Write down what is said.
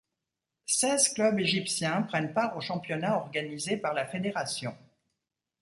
Seize clubs égyptiens prennent part au championnat organisé par la fédération.